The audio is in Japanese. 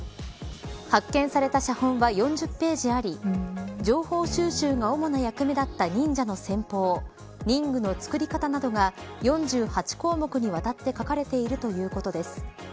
発見された写本は４０ページあり情報収集が主な役目だった忍者の戦法忍具の作り方などが４８項目にわたって書かれているということです。